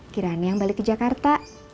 kirani yang balik ke jakarta